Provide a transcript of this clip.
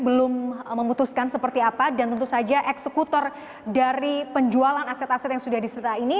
belum memutuskan seperti apa dan tentu saja eksekutor dari penjualan aset aset yang sudah disita ini